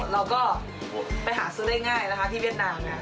เราก็ไปหาซื้อได้ง่ายนะคะที่เวียดนาม